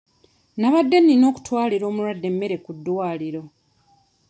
Nabadde nina okutwalira omulwadde emmere ku ddwaliro.